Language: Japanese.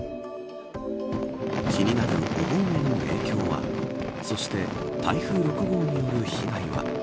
気になるお盆への影響はそして、台風６号による被害は。